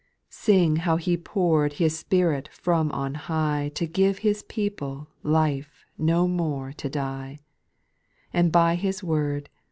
4. Sing how He pour'd His Spirit from on high To give His people life no more to die, And by His word.